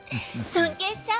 尊敬しちゃう！